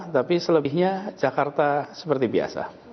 tapi selebihnya jakarta seperti biasa